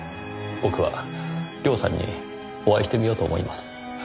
僕は涼さんにお会いしてみようと思います。